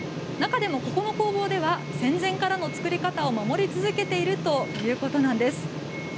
この工房では戦前からの作り方を守り続けているということなんです。